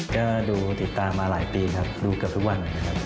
ก็ดูติดตามมาหลายปีครับดูเกือบทุกวันนะครับ